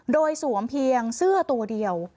โดยสวมเพียงเสื้อตัวเดียว